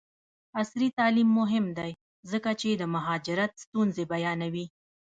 عصري تعلیم مهم دی ځکه چې د مهاجرت ستونزې بیانوي.